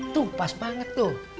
tuh pas banget tuh